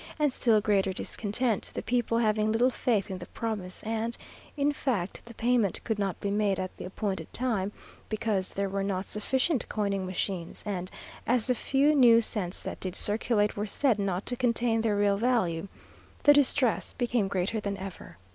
and still greater discontent, the people having little faith in the promise, and, in fact, the payment could not be made at the appointed time, because there were not sufficient coining machines; and as the few new cents that did circulate, were said not to contain their real value, the distress became greater than ever.